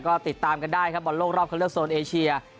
ก็ติดตามกันได้ครับบอลโลกรอบเข้าเลือกโซนเอเชีย